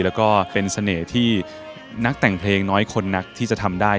แล้วก็เป็นเสน่ห์ที่นักแต่งเพลงน้อยคนนักที่จะทำได้